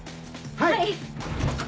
はい！